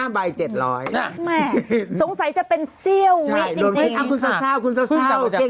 ๕ใบ๗๐๐บาทหนึ่งจริงอ้าวคุณเศร้าใช่โดนวิจริง